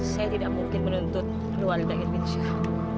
saya tidak mungkin menuntut keluarga irwin syah